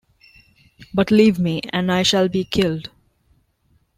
But leave me, and I shall be killed!